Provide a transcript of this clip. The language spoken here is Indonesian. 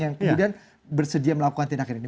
yang kemudian bersedia melakukan tindakan ini